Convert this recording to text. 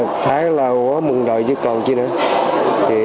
tại đất miền thì tháng là hổ mừng đời chứ còn chi nữa